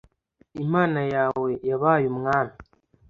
Imana yawe yabaye umwami